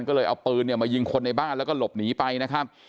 ก็เลยเอาปืนเนี่ยมายิงคนในบ้านแล้วก็หลบหนีไปนะครับ